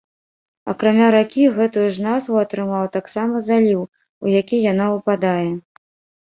Акрамя ракі, гэтую ж назву атрымаў таксама заліў, у які яна ўпадае.